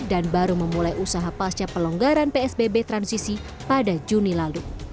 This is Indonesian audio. dan baru memulai usaha pasca pelonggaran psbb transisi pada juni lalu